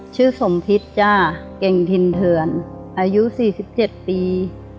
ชื่อสมพิษจ้าเก่งถิ่นเถินอายุสี่สิบเจ็ดปี